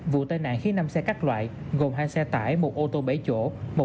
vụ tai nạn khiến năm xe cắt loại gồm hai xe tải một ô tô bẫy chỗ